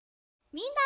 みんな！